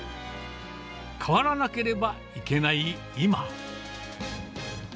変わらなければいけない今。